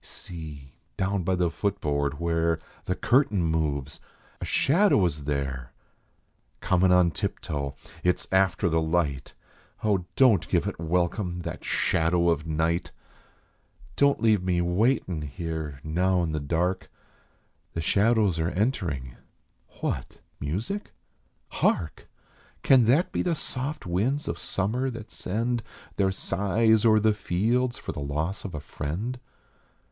See, down by the foot board, where The curtain moves ! A shadow is there, Comin on tiptoe ! It s after the light. Oh, don t give it welcome, that shadow of night !" "Don t leave me waitin here now in the dark, The shadows are entering. What music ? Hark ? Can that be the soft winds of summer that send Their sighs o er the fields for the loss of a friend